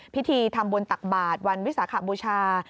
พิธีทำบุญตักบาทวันวิสาขบูชา